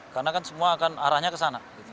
karena kan semua akan arahnya ke sana